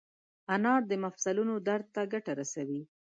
انار د مفصلونو درد ته ګټه رسوي.